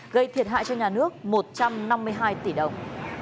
gây thiệt hại cho nhà nước một trăm năm mươi hai tỷ đồng